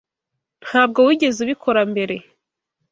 Ntabwo wigeze ubikora mbere.